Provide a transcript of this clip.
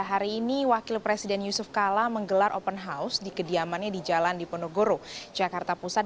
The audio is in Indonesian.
hari ini wakil presiden yusuf kala menggelar open house di kediamannya di jalan diponegoro jakarta pusat